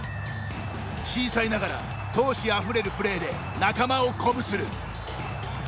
小さいながら闘志あふれるプレーで仲間を鼓舞する。